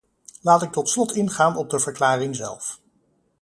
Laat ik tot slot ingaan op de verklaring zelf.